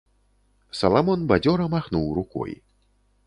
Саламон бадзёра махнуў рукой.